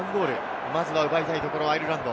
まずは奪いたいところ、アイルランド。